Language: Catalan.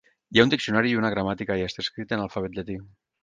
Hi ha un diccionari i una gramàtica i està escrit en alfabet llatí.